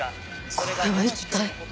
これは一体。